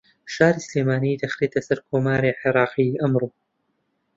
شاری سلێمانی دەخرێتە سەر کۆماری عێراقی ئەمڕۆ